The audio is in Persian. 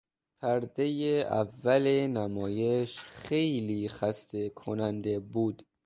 پردهی اول نمایش خیلی خسته کننده بود.